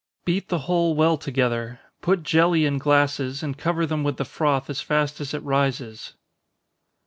Beat the whole well together put jelly in glasses, and cover them with the froth as fast as it rises.